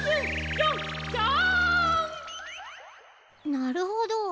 なるほど。